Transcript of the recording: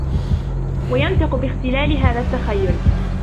وَيَنْطِقُ بِاخْتِلَالِ هَذَا التَّخَيُّلِ